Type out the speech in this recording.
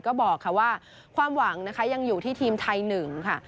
ก็บอกค่ะว่าความหวังนะคะยังอยู่ที่ทีมไทยหนึ่งค่ะ